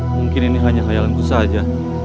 mungkin ini hanya hayalanku saja